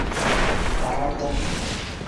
Ҡарар ҙа...